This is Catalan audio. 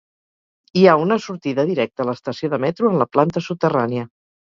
Hi ha una sortida directa a l'estació de metro en la planta soterrània.